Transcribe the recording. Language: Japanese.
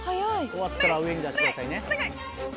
終わったら上に出してくださいね。